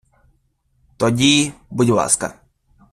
Тоді, будь ласка.